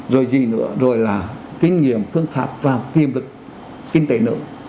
rồi gì nữa rồi là kinh nghiệm phương pháp và tiềm lực kinh tế nữa